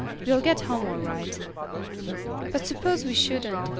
"We'll get home all right." "But suppose we shouldn't.